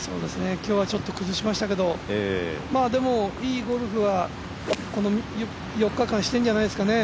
今日はちょっと崩しましたけどいいゴルフはこの４日間、しているんじゃないでしょうかね。